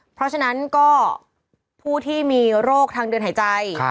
เพราะฉะนั้นก็ผู้ที่มีโรคทางเดินหายใจ